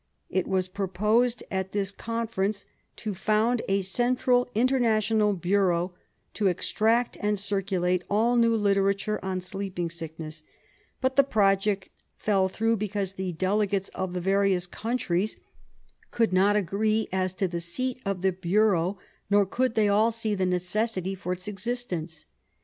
It was proposed at this conference to found a central international bureau "to extract and circulate all new literature on sleep ing sickness," but the project fell through because the dele gates of the various countries could not agree as to the seat of the bureau, nor could they all see the necessity for its existence.